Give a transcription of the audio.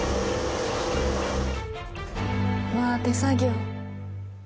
うわあ手作業。